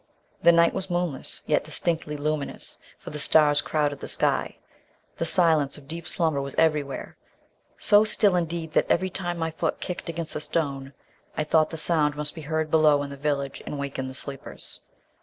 The night was moonless, yet distinctly luminous, for the stars crowded the sky. The silence of deep slumber was everywhere; so still, indeed, that every time my foot kicked against a stone I thought the sound must be heard below in the village and waken the sleepers.